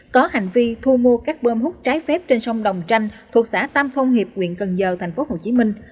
có hành vi thu mua các bơm hút trái phép trên sông đồng tranh thuộc xã tâm phong hiệp nguyện cần giờ tp hcm